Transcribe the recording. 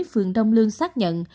phường đông lương xác nhận